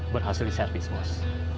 berhasil di servis bos